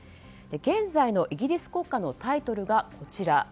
現在のイギリス国歌のタイトルが、こちら。